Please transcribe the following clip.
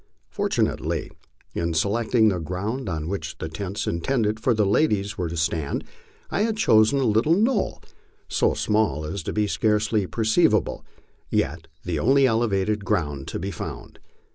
Fortunately, in selecting the ground on which the tents intended for the ladies were to stand, I had chosen a little knoll, so small as to be scarcely perceptible, yet the only elevated ground to be found.